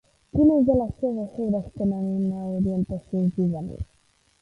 Quines de les seves obres tenen una orientació juvenil?